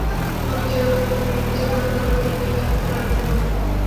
কোনো বিচারক যদি ন্যায়বিচার করেন, তাহলে তিনি দেশে থাকতে পারবেন না।